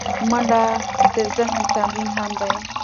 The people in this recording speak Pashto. منډه د ذهن تمرین هم دی